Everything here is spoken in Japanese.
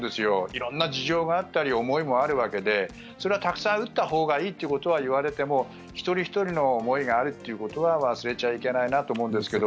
色んな事情があったり思いもあるわけでそれはたくさん打ったほうがいいということはいわれても一人ひとりの思いがあるっていうことは忘れちゃいけないなと思うんですけど